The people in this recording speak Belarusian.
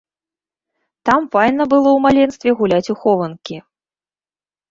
Там файна было ў маленстве гуляць у хованкі.